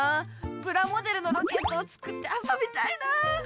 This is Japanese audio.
プラモデルのロケットを作ってあそびたいな。